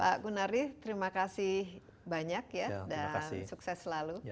pak gunari terima kasih banyak ya dan sukses selalu